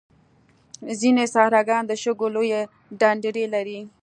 ځینې صحراګان د شګو لویې ډنډرې لري.